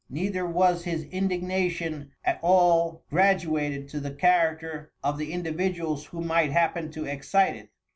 Neither was his indignation at all graduated to the character of the individuals who might happen to excite it.